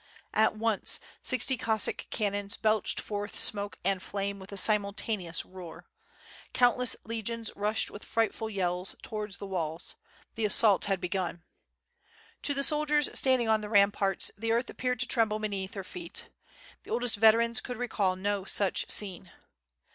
At once sixty Cossack cannons belched forth smoke and flame with a simultaneous roar. Countless legions rushed with frightful yells towards the walls — the assault had begun. To the soldiers standing on the ramparts, the earth ap peared to tremble beneath their feet. The oldest veterans could recall no such scene.